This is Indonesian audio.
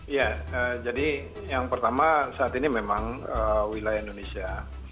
iya jadi yang pertama saat ini memang wilayah indonesia